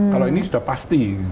kalau ini sudah pasti